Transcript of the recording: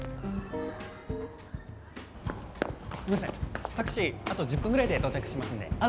すいません、タクシーあと１０分ぐらいで到着しますんで。